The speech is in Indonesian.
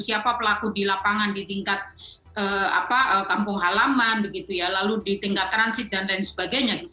siapa pelaku di lapangan di tingkat kampung halaman lalu di tingkat transit dan lain sebagainya